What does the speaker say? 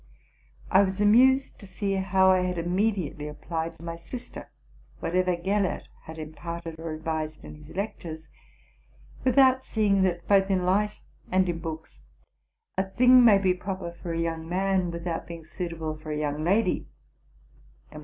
I was amused to see how I had immediately applied to my sister whatever Gellert had imparted or advised in his lectures, without seeing, that, both in life and in books, a thing may be proper for a young man without being suitable for a young lady; and 'we.